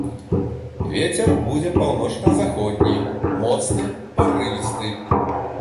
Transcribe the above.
Вецер будзе паўночна-заходні, моцны, парывісты.